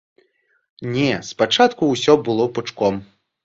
Не, спачатку ўсё было пучком.